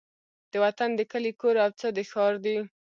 د وطن د کلي کور او څه د ښار دي